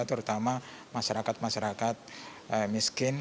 terutama masyarakat masyarakat miskin